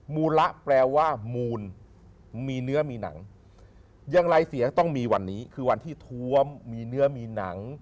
มูลละแปลว่ามูลมีเนื้อมีหนังอย่างไรเสียงต้องมีวันนี้คือวันที่ท้วมมีเนื้อมีหนัง